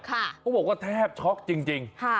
ค่ะเขาบอกว่าแทบช็อคจริงค่ะ